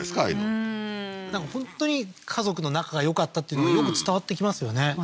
ああいうのうーんなんか本当に家族の仲がよかったっていうのがよく伝わってきますよね